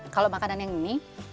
kalau makanan yang ini